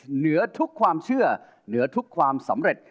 เหนือทุกความเชื่อเหนือทุกความสำเร็จ